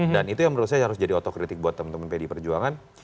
dan itu yang menurut saya harus jadi otokritik buat teman teman pd perjuangan